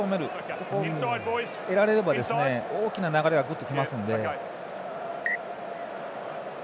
そこを得られれば大きな流れがグッときますので。